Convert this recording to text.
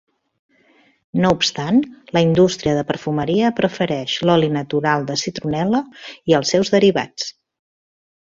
No obstant, la indústria de perfumeria prefereix l'oli natural de citronel·la i els seus derivats.